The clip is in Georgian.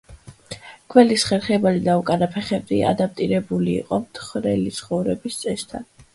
გველის ხერხემალი და უკანა ფეხები ადაპტირებული იყო მთხრელი ცხოვრების წესთან.